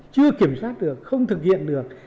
chưa kiểm soát được không thực hiện được